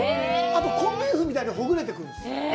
コンビーフみたいにほぐれてくんですよ。